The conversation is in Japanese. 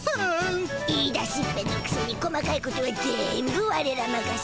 言いだしっぺのくせに細かいことは全部ワレらまかせ。